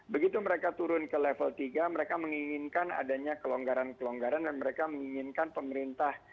begitu mereka turun ke level tiga mereka menginginkan adanya kelonggaran kelonggaran dan mereka menginginkan pemerintah